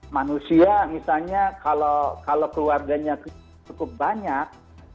manusia misalnya kalau keluarganya cukup banyak